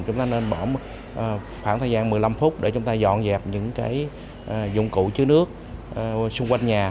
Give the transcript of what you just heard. chúng ta nên bỏ khoảng thời gian một mươi năm phút để chúng ta dọn dẹp những cái dụng cụ chứa nước xung quanh nhà